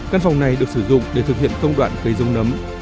căn phòng này được sử dụng để thực hiện công đoạn cây dông nấm